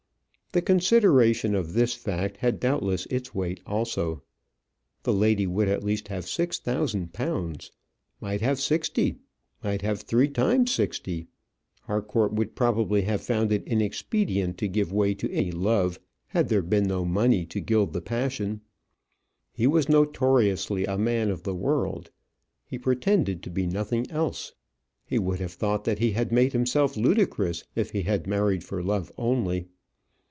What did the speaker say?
The consideration of this fact had doubtless its weight also. The lady would at least have six thousand pounds, might have sixty, might have three times sixty. Harcourt would probably have found it inexpedient to give way to any love had there been no money to gild the passion. He was notoriously a man of the world; he pretended to be nothing else; he would have thought that he had made himself ludicrous if he had married for love only.